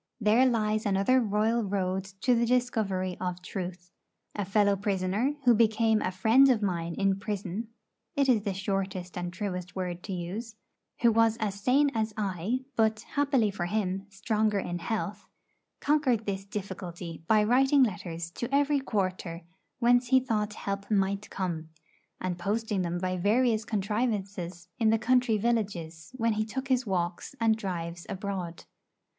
There lies another royal road to the discovery of truth. A fellow prisoner, who became a friend of mine in prison (it is the shortest and truest word to use), who was as sane as I, but, happily for him, stronger in health, conquered this difficulty by writing letters to every quarter whence he thought help might come, and posting them by various contrivances in the country villages when he took his walks and drives abroad.